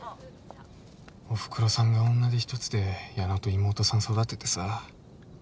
おふくろさんが女手一つで矢野と妹さん育ててさ。